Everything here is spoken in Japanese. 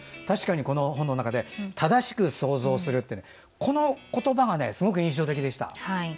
確かにこの本の中で「正しく想像する」ってこの言葉がすごく印象的でした。